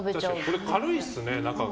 これ軽いですね、中が。